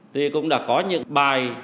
thì cũng đã có những bài